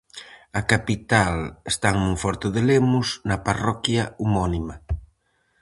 A capital está en Monforte de Lemos, na parroquia homónima.